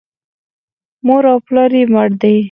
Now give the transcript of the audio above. مور او پلار یې مړه دي .